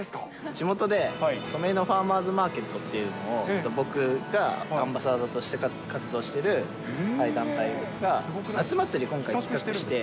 地元で、ソメイノファーマーズマートっていうの、僕がアンバサダーとして活動してる団体が、夏祭りを今回、企画して。